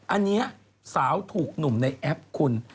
อันนี้สาวถูกหนุ่มในแอปคุณ